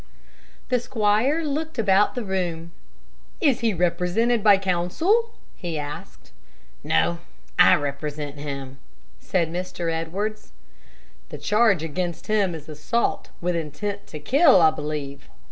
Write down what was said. The squire looked about the room. "Is he represented by counsel?" he asked. "No, I represent him," said Mr. Edwards. "The charge against him is assault with intent to kill, I believe?"